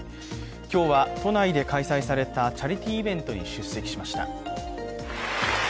今日は都内で開催されたチャリティーイベントに出席しました。